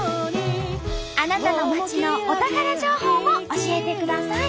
あなたの町のお宝情報も教えてください。